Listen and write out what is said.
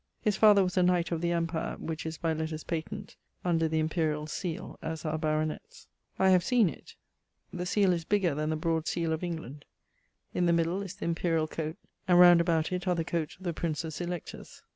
His father was a Knight of the Empire: which is by lettres patent under the imperiall seale (as our baronets). I have seen it: the seale is bigger then the broad seale of England: in the middle is the imperiall coate; and round about it are the coates of the Princes Electors.